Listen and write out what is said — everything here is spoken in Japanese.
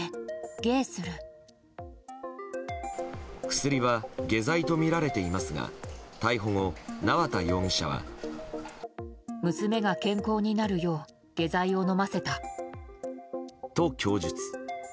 薬は下剤とみられていますが逮捕後、縄田容疑者は。と、供述。